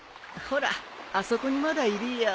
ほらあそこにまだいるよ。